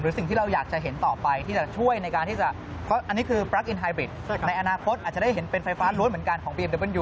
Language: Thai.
เพิ่มพลังงานนะครับ